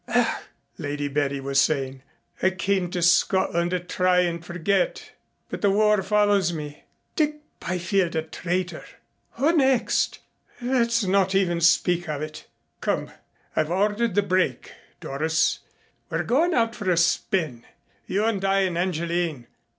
"Ugh!" Lady Betty was saying. "I came to Scotland to try and forget, but the war follows me. Dick Byfield a traitor! Who next? Let's not even speak of it. Come, I've ordered the brake, Doris. We're going out for a spin. You and I and Angeline.